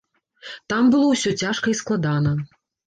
Там было ўсё цяжка і складана.